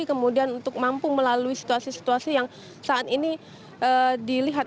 kemudian untuk mampu melalui situasi situasi yang saat ini dilihat